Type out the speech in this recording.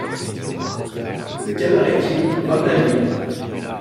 Le cabaretier vint à lui.